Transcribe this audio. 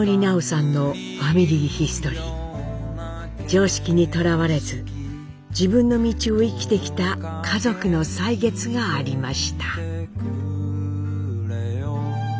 常識にとらわれず自分の道を生きてきた家族の歳月がありました。